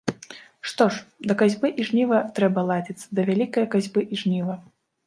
Што ж, да касьбы і жніва трэба ладзіцца, да вялікае касьбы і жніва.